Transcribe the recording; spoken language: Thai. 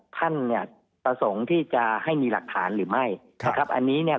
ท่านเนี่ยประสงค์ที่จะให้มีหลักฐานหรือไม่นะครับอันนี้เนี่ย